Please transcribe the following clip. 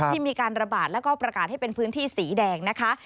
มีการระบาดแล้วก็ประกาศให้เป็นพื้นที่สีแดงนะคะ